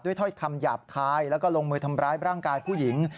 ถ้อยคำหยาบคายแล้วก็ลงมือทำร้ายร่างกายผู้หญิง